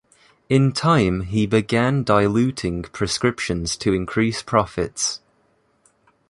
In time he began diluting prescriptions to increase profits.